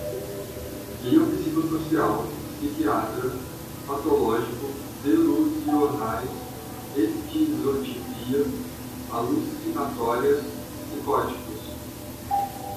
biopsicossocial, psiquiatras, patológico, delusionais, esquizotipia, alucinatórias, psicóticos